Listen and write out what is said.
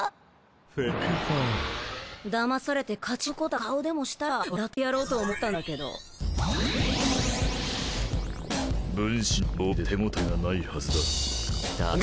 フェイクファーだまされて勝ち誇った顔でもしたら笑ってやろうと思ったんだけど道理で手応えがないはずだだが！